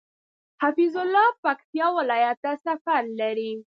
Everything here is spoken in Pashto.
حفيظ الله پکتيا ولايت ته سفر لري